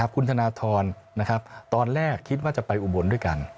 คุณธนทรตอนแรกคิดว่าจะไปอุบลด้วยกัน